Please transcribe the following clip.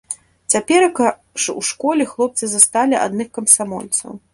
Цяперака ж у школе хлопцы засталі адных камсамольцаў.